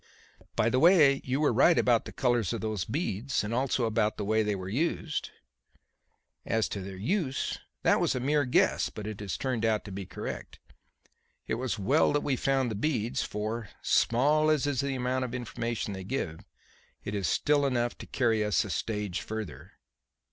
"By the way, you were right about the colours of those beads, and also about the way they were used." "As to their use, that was a mere guess; but it has turned out to be correct. It was well that we found the beads, for, small as is the amount of information they give, it is still enough to carry us a stage further."